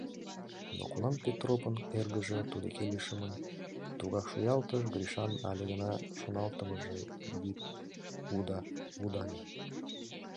Но кунам Петропын эргыже, туддеке лишемын, тугак шуялтыш, Гришан але гына шоналтымыже вик вудакаҥе.